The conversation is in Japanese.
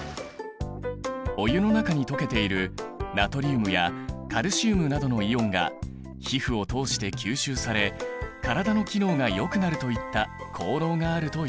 お湯の中に溶けているナトリウムやカルシウムなどのイオンが皮膚を通して吸収され体の機能がよくなるといった効能があるといわれている。